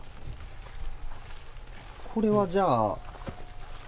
これはじゃあ。